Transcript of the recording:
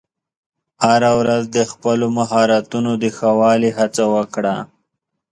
هره ورځ د خپلو مهارتونو د ښه والي هڅه وکړه.